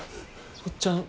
おっちゃん